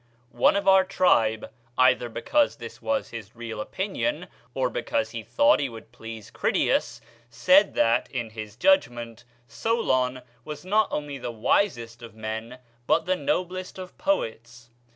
One of our tribe, either because this was his real opinion, or because he thought that he would please Critias, said that, in his judgment, Solon was not only the wisest of men but the noblest of poets.